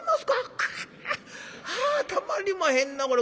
くはっはたまりまへんなこれ。